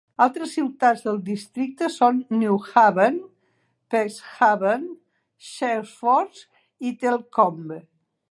Altres ciutats del districte són Newhaven, Peacehaven, Seaford i Telscombe.